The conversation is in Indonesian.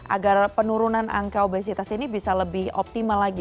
agar penurunan angka obesitas ini bisa lebih optimal lagi